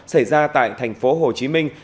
xảy ra tại thành phố hồ chí minh